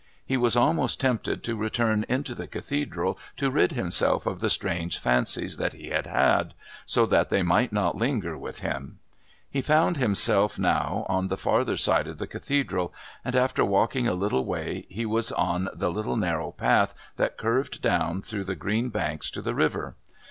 He was almost tempted to return into the Cathedral to rid himself of the strange fancies that he had had, so that they might not linger with him. He found himself now on the farther side of the Cathedral, and after walking a little way he was on the little narrow path that curved down through the green banks to the river.